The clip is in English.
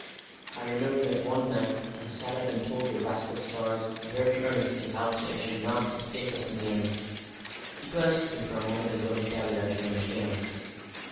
I remember that one night I sat up and told the rascal stars very earnestly how they should not escape us in the end." He glanced at me for a moment as though he doubted I should understand.